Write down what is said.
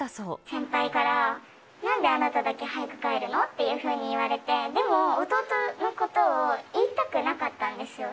先輩から、なんであなただけ早く帰るの？っていうふうに言われて、でも弟のことを言いたくなかったんですよ。